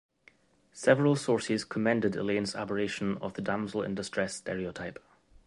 Several sources commended Elaine's aberration of the damsel in distress stereotype.